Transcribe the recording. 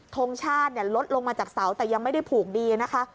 ทงชาติลดลงมาจากเสาแต่ยังไม่ได้ผูกดีนะคะ